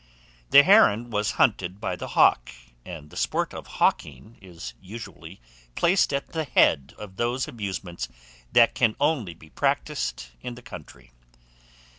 THE HERON WAS HUNTED BY THE HAWK, and the sport of hawking is usually placed at the head of those amusements that can only be practised in the country.